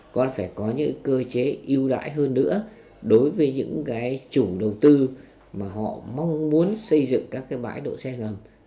còn phải có những cơ chế ưu đãi hơn nữa đối với những cái chủ đầu tư mà họ mong muốn xây dựng các cái bãi đỗ xe ngầm